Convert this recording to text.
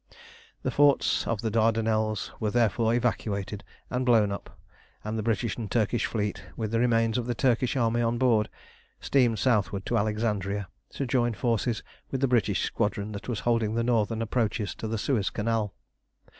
The forts of the Dardanelles were therefore evacuated and blown up, and the British and Turkish fleet, with the remains of the Turkish army on board, steamed southward to Alexandria to join forces with the British Squadron that was holding the northern approaches to the Suez Canal.